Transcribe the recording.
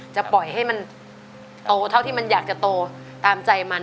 จะปล่อยให้มันโตเท่าที่มันอยากจะโตตามใจมัน